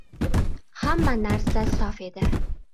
– Hamma narsa sof edi.